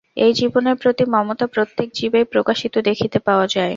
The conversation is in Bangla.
এই জীবনের প্রতি মমতা প্রত্যেক জীবেই প্রকাশিত দেখিতে পাওয়া যায়।